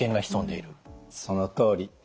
そのとおり。